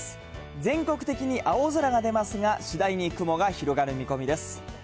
全国的に青空が出ますが、次第に雲が広がる見込みです。